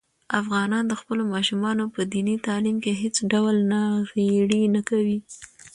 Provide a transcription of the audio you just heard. افغانان د خپلو ماشومانو په دیني تعلیم کې هېڅ ډول ناغېړي نه کوي.